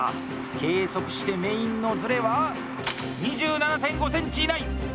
計測してメインのズレは２７．５ｃｍ以内。